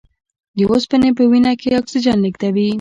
د اوسپنې په وینه کې اکسیجن لېږدوي.